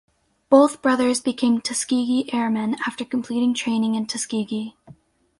Both brothers became Tuskegee Airmen after completing training in Tuskegee.